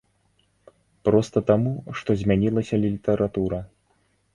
Проста таму, што змянілася літаратура.